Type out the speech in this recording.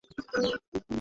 আমি নিজে যতদূর পারি করিব।